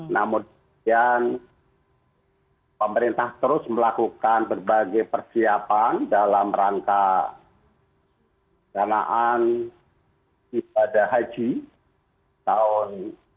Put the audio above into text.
namun demikian pemerintah terus melakukan berbagai persiapan dalam rangka danaan ibadah haji tahun dua ribu dua puluh